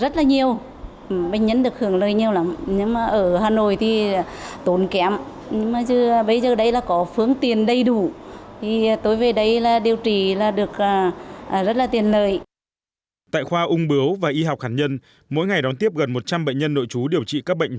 tại khoa ung bứu và y học hạt nhân mỗi ngày đón tiếp gần một trăm linh bệnh nhân nội chú điều trị các bệnh